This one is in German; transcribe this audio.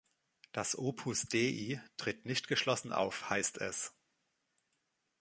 Das Opus Dei tritt nicht geschlossen auf, heißt es.